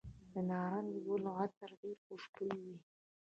د نارنج ګل عطر ډیر خوشبويه وي.